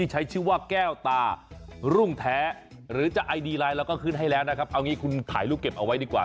ให้แล้วนะครับเอาอย่างนี้คุณถ่ายลูกเก็บเอาไว้ดีกว่า